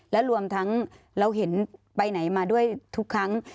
และรวมทั้งเราเห็นไปไหนมาด้วยทุกครั้ง